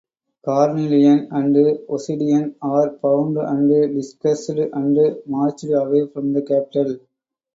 Carnelian and Osidian are bound and disguised and marched away from the capital.